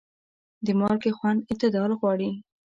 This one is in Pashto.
د مالګې خوند اعتدال غواړي.